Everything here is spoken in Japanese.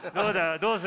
どうする？